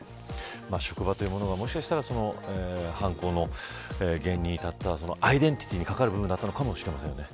職場というものがもしかしたら犯行の原因に至ったアイデンティティーに関わる部分だったかもしれません。